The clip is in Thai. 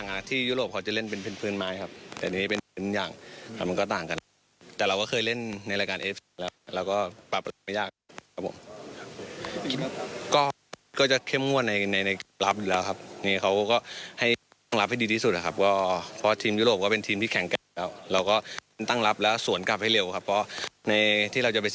งานที่ใช้ไปจิงเขาเนี่ยมันยากครับเหมือนยุโรปอย่างนี้ครับ